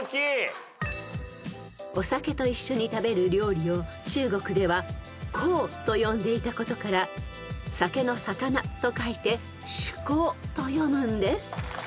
［お酒と一緒に食べる料理を中国では肴と呼んでいたことから酒の肴と書いて酒肴と読むんです］